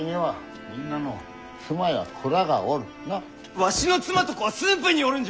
わしの妻と子は駿府におるんじゃ！